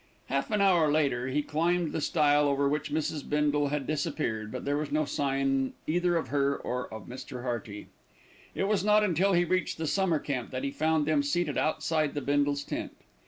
Half an hour later, he climbed the stile over which Mrs. Bindle had disappeared; but there was no sign either of her or of Mr. Hearty. It was not until he reached the Summer Camp that he found them seated outside the Bindles' tent.